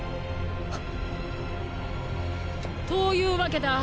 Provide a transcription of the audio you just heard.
っ！というわけだ。